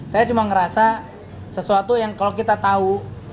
saya cuma ngerasa sesuatu yang kalo kita tau